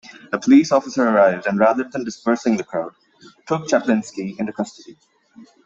A police officer arrived and, rather than dispersing the crowd, took Chaplinsky into custody.